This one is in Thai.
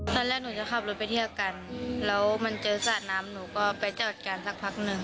ตอนแรกหนูจะขับรถไปเที่ยวกันแล้วมันเจอสระน้ำหนูก็ไปจอดกันสักพักหนึ่ง